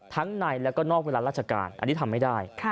ในแล้วก็นอกเวลาราชการอันนี้ทำไม่ได้